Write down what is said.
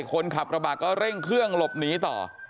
คนขับกระบะก็เร่งเครื่องหลบหนีต่อ